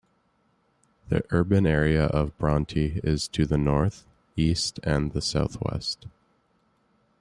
The urban area of Bronte is to the north, east and the southwest.